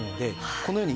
このように。